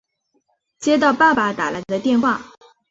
接到爸爸打来的电话